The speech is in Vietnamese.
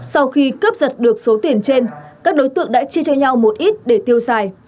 sau khi cướp giật được số tiền trên các đối tượng đã chia cho nhau một ít để tiêu xài